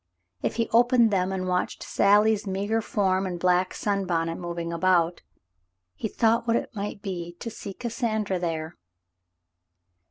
If he opened them and watched Sally's meagre form and black sunbonnet moving about, he thought what it might be to see Cassan dra there.